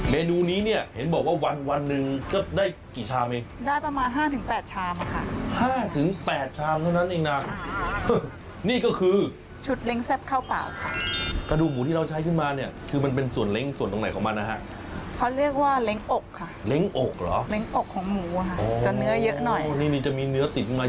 เมนูนี้เนี่ยเห็นบอกว่าวันวันหนึ่งก็ได้กี่ชามเองได้ประมาณห้าถึงแปดชามค่ะห้าถึงแปดชามเท่านั้นเองนะนี่ก็คือชุดเล้งแซ่บข้าวเปล่าค่ะกระดูกหมูที่เราใช้ขึ้นมาเนี่ยคือมันเป็นส่วนเล้งส่วนตรงไหนของมันนะฮะเขาเรียกว่าเล้งอกค่ะเล้งอกเหรอเล้งอกของหมูอ่ะค่ะจะเนื้อเยอะหน่อยโอ้นี่นี่จะมีเนื้อติดมา